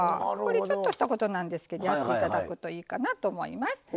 ちょっとしたことなんですけどやって頂くといいかなと思います。